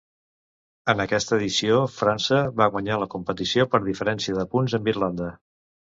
En aquesta edició, França va guanyar la competició per diferència de punts amb Irlanda.